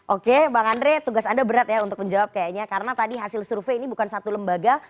oke bang andre tugas anda berat ya untuk menjawab kayaknya karena tadi hasil survei ini bukan satu lembaga